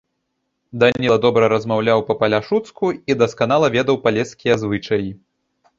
Даніла добра размаўляў па-паляшуцку і дасканала ведаў палескія звычаі.